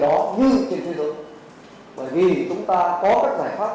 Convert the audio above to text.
bởi vì chúng ta có các giải pháp của việt nam và đến giờ các giải pháp đó là rất hiệu quả